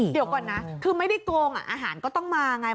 เดี๋ยวก่อนนะคือไม่ได้โกงอาหารก็ต้องมาไง